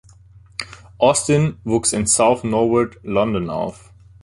Austin wuchs in South Norwood, London, auf.